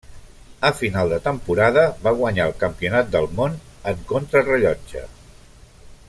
A final de temporada va guanyar el Campionat del món en contrarellotge.